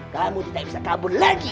kamu tidak bisa kabur lagi